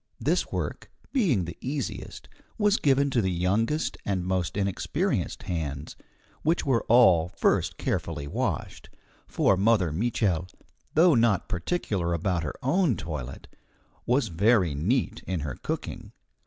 This work, being the easiest, was given to the youngest and most inexperienced hands, which were all first carefully washed, for Mother Mitchel, though not very particular about her own toilet, was very neat in her cooking.